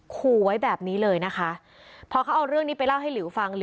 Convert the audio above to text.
ขู่ไว้แบบนี้เลยนะคะพอเขาเอาเรื่องนี้ไปเล่าให้หลิวฟัง